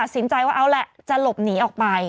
สินใจว่าเอาแหละจะหลบหนีออกไป